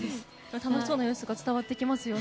楽しそうな様子が伝わってきますよね。